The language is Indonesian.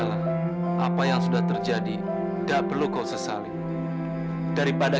sampai jumpa di video selanjutnya